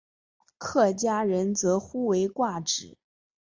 客家人则呼为挂纸。